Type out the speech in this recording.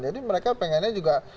jadi mereka pengennya juga